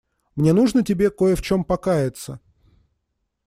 Мне нужно тебе кое в чём покаяться.